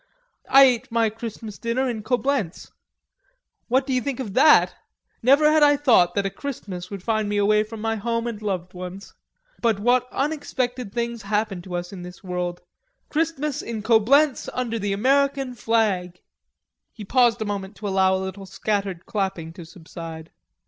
I ate my Christmas dinner in Coblenz. What do you think of that? Never had I thought that a Christmas would find me away from my home and loved ones. But what unexpected things happen to us in this world! Christmas in Coblenz under the American flag!" He paused a moment to allow a little scattered clapping to subside.